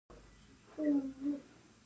د غور شاهمشه معلق پل دی